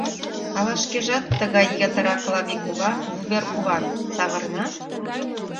Ала шкежат, тыгай йытыра Клави кува, вуверкуван! савырна?